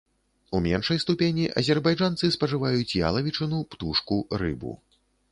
У меншай ступені азербайджанцы спажываюць ялавічыну, птушку, рыбу.